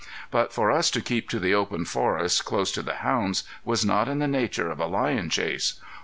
But for us to keep to the open forest, close to the hounds, was not in the nature of a lion chase.